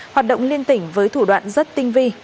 hoạt động liên tỉnh với thủ đoạn rất tinh vi